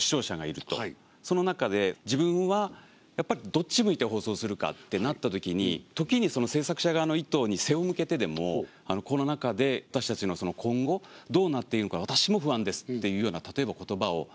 その中で自分はやっぱりどっち向いて放送するかってなったときに時に制作者側の意図に背を向けてでも「コロナ禍で私たちの今後どうなっているのか私も不安です」っていうような例えば言葉を。